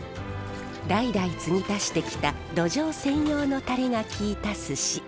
代々継ぎ足してきたドジョウ専用のタレが効いたすし。